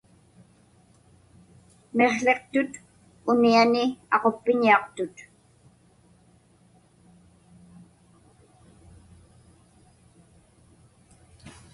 Miqłiqtut uniani aquppiñiaqtut.